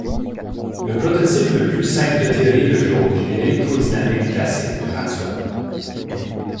Le prototype le plus simple de théorie de jauge est l'électrodynamique classique de Maxwell.